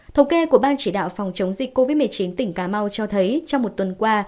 thống kê của ban chỉ đạo phòng chống dịch covid một mươi chín tỉnh cà mau cho thấy trong một tuần qua